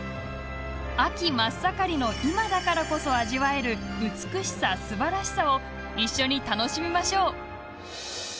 秋真っ盛りの今だからこそ味わえる美しさ、すばらしさを一緒に楽しみましょう。